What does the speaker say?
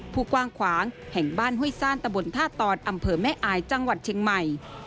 ผู้กว้างขวางแห่งบ้านห้วยซ่านตะบนท่าตอนอำเภอแม่อายจังหวัดเชียงใหม่